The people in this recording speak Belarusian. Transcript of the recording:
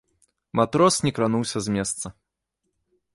Матрос не крануўся з месца.